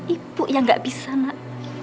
ibu yang gak bisa nak